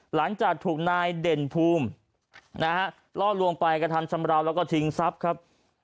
หลังจากถูกนายเด่นภูมินะฮะล่อลวงไปกระทำชำราวแล้วก็ทิ้งทรัพย์ครับ